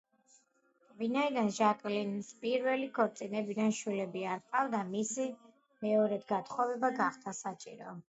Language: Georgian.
ვინაიდან ჟაკლინს პირველი ქორწინებიდან შვილები არ ჰყავდა, მისი მეორედ გათხოვება გახდა საჭირო.